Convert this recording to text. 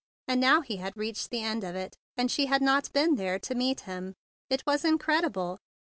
And now he had reached the end of it, and she had not been there to meet him! It was incredible!